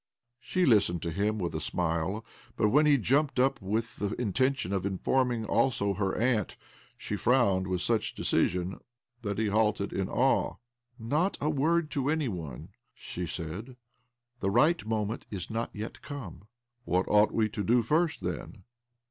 She listened to him with a smile ; but when he jumped up with the intention of informing also her aunt she frowned with such decision that he halted in awe. " Not a word to any one !" she said. "The right moment is not yet come." "What ought we to do first, then?"